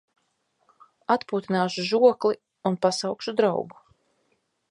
Atpūtināšu žokli un pasaukšu draugu.